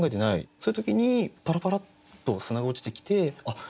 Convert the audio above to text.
そういう時にパラパラッと砂が落ちてきてあっ